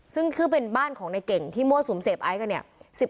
ซึ่งคือเป็นบ้านของในเก่งที่มั่วสุมเสพไอซ์กันเนี่ย